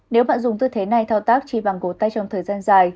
nếu bạn dùng tư thế này thao tác chỉ bằng gột tay trong thời gian dài